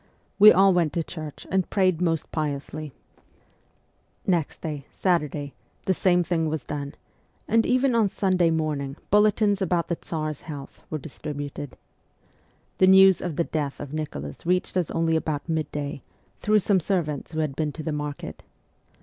We all went to church and prayed most piously. 74 MEMOIRS OF A REVOLUTIONIST Next day, Saturday, the same thing was done, and even on Sunday morning bulletins about the Tsar's health were distributed. The news of the death of Nicholas reached us only about midday, through some servants who had been to the market.